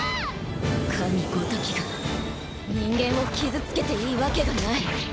神ごときが人間を傷つけていいわけがない。